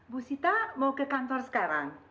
bu sita mau ke kantor sekarang